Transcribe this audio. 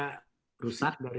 dan kemudian tiba tiba gambarnya